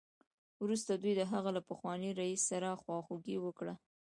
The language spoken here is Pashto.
وروسته دوی د هغه له پخواني رییس سره خواخوږي وکړه